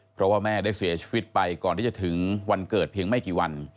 เพราะว่าแม่ได้เสียชีวิตไปก่อนที่จะถึงวันเกิดเพียงไม่กี่วัน